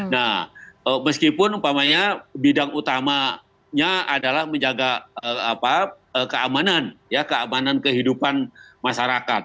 nah meskipun umpamanya bidang utamanya adalah menjaga keamanan ya keamanan kehidupan masyarakat